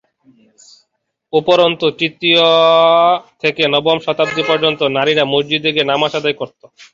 উপরন্তু, তৃতীয় থেকে নবম শতাব্দী পর্যন্ত নারীরা মসজিদে গিয়ে নামাজ আদায় করত।